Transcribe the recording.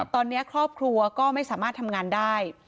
ตอนนี้ครอบครัวก็ไม่สามารถทำงานได้